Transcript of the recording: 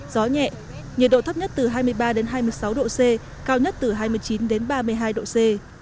gió nhẹ nhiệt độ thấp nhất từ hai mươi ba đến hai mươi sáu độ c cao nhất từ hai mươi chín đến ba mươi hai độ c